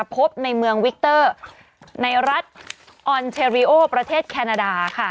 พบในเมืองวิกเตอร์ในรัฐออนเทรีโอประเทศแคนาดาค่ะ